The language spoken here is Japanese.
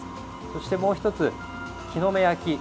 そしてもう１つ、木の芽焼き。